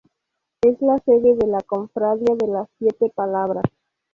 Es la sede de la Cofradía de las Siete Palabras.